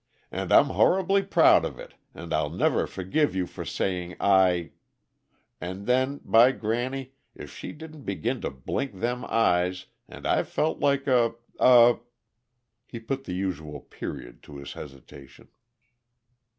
'And I'm horribly proud of it, and I'll never forgive you for saying I ' And then, by granny! if she didn't begin to blink them eyes, and I felt like a a " He put the usual period to his hesitation.